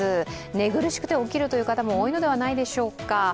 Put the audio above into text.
寝苦しくて起きるという方も多いのではないでしょうか。